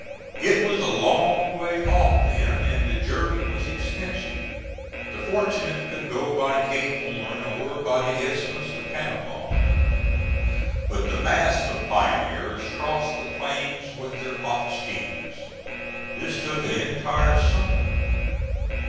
It was a long way off then, and the journey was expensive. The fortunate could go by Cape Horn or by the Isthmus of Panama; but the mass of pioneers crossed the plains with their ox teams. This took an entire summer.